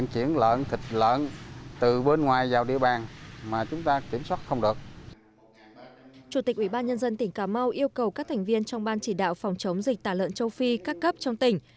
chủ tịch ubnd tỉnh cà mau yêu cầu các thành viên trong ban chỉ đạo phòng chống dịch tả lợn châu phi các cấp trong tỉnh